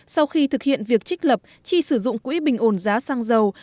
sau khi thực hiện việc trích lập chi sử dụng quỹ bình ổn giá xăng dầu